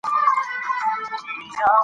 چار مغز د افغانستان د طبیعي پدیدو یو رنګ دی.